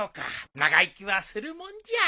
長生きはするもんじゃ。